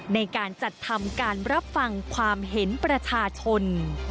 ในการจัดทำการรับฟังความเห็นประชาชน